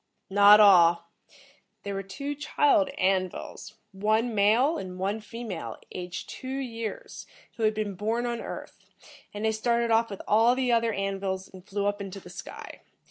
"Not all. There were two child An vils, one male and one female, aged two years, who had been born on Earth, and they started off with all the other An vils and flew up into the sky.